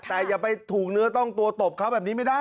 แต่อย่าไปถูกเนื้อต้องตัวตบเขาแบบนี้ไม่ได้